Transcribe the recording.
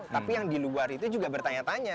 tapi yang di luar itu juga bertanya tanya